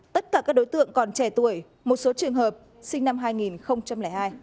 tất cả các đối tượng còn trẻ tuổi một số trường hợp sinh năm hai nghìn hai